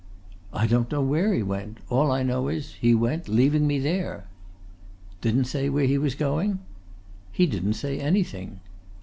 "I don't know where he went. All I know is he went, leaving me there." "Didn't say where he was going?" "He didn't say anything."